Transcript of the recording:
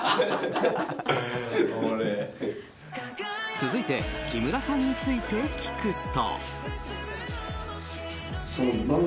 続いて木村さんについて聞くと。